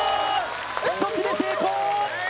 １つ目成功